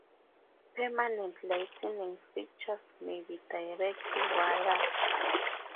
Permanent lighting fixtures may be directly wired.